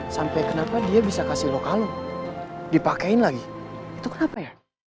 sampai kenapa dia bisa kasih lo kalung dipakein lagi itu kenapa ya